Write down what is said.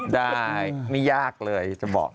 ได้ไม่ยากเลยจะบอก